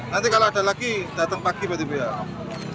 nanti kalau ada lagi datang pagi berarti berapa